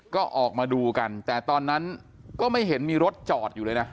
ก็ออกมาดูกันแต่ตอนนั้นก็ไม่เห็นมีรถจอดอยู่เลยนะ